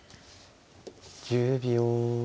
１０秒。